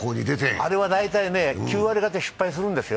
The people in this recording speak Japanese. あれは大体９割がた失敗するんですよ。